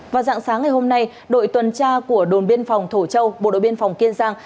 vào dạng sáng ngày hôm nay đội tuần tra của đồn biên phòng thổ châu bộ đội biên phòng kiên giang